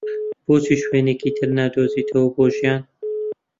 بۆچی شوێنێکی تر نادۆزیتەوە بۆ ژیان؟